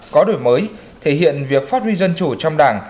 có đổi mới thể hiện việc phát huy dân chủ trong đảng